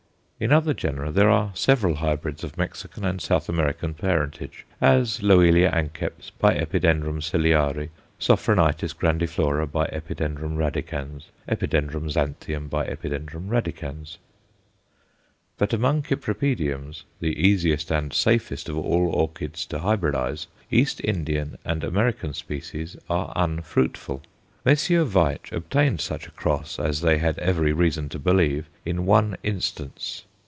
In other genera there are several hybrids of Mexican and South American parentage; as L. anceps × Epid. ciliare, Sophronitis grandiflora × Epid. radicans, Epid. xanthinum × Epid. radicans. But among Cypripediums, the easiest and safest of all orchids to hybridize, East Indian and American species are unfruitful. Messrs. Veitch obtained such a cross, as they had every reason to believe, in one instance.